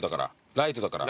ライトだから。